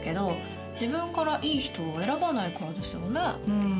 うん。